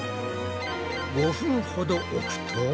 ５分ほど置くと。